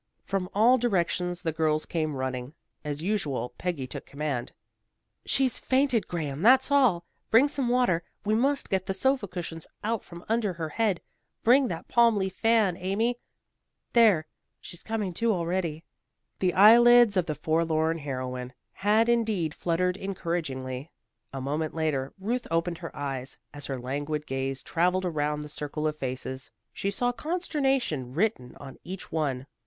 From all directions the girls came running. As usual, Peggy took command. "She's fainted, Graham, that's all. Bring some water. We must get the sofa cushions out from under her head. Bring that palm leaf fan, Amy. There, she's coming to already." The eyelids of the forlorn heroine had indeed fluttered encouragingly. A moment later Ruth opened her eyes. As her languid gaze travelled around the circle of faces, she saw consternation written on each one.